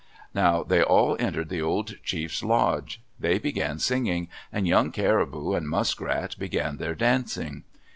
Now they all entered the old chief's lodge. They began singing, and Young Caribou and Muskrat began their dancing.